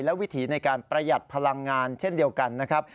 และวิถีในการประหยัดพลังงานเช่นเดียวกันนะครับ